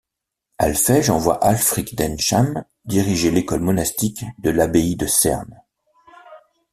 Alphège envoie Ælfric d'Eynsham diriger l'école monastique de l'abbaye de Cerne.